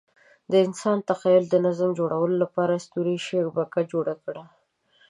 د انسان تخیل د نظم د جوړولو لپاره اسطوري شبکه جوړه کړه.